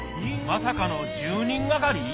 まさかの１０人がかり？